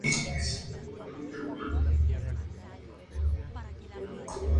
Las animadoras suelen ser pro elección y pro pornografía.